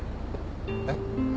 えっ？